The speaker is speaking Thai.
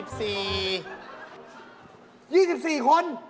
มีผัวกี่คน